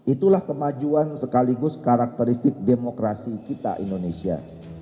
itulah kemajuan sekaligus karakteristik demokrasi kita indonesia